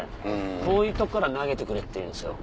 遠いとこから投げてくれっていうんですよ。